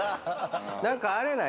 何かあれない？